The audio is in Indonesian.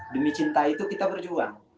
demi cinta itu kita berjuang